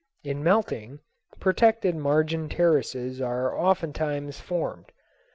In melting, protected margin terraces are oftentimes formed.